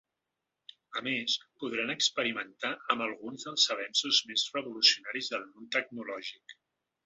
A més, podran experimentar amb alguns dels avenços més revolucionaris del món tecnològic.